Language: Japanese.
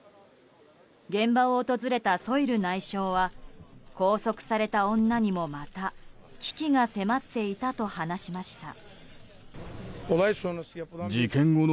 現場を訪れたソイル内相は拘束された女にもまた危機が迫っていたと話しました。